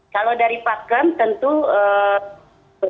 kalau dari pakem tentu